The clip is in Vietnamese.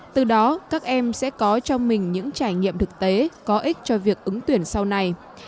từ đó các em sẽ có cho mình những trải nghiệm thực tế có ích cho việc ứng tuyển sau này